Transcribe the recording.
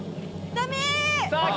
ダメ！